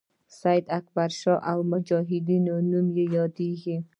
سید اکبرشاه او مجاهدینو نوم یادیږي.